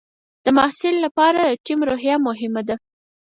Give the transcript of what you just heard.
د محصل لپاره د ټیم روحیه مهمه ده.